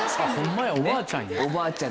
おばあちゃん。